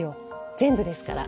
全部ですから。